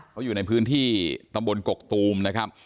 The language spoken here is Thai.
เขาอยู่ในพื้นที่ตำบลกกตูมนะครับ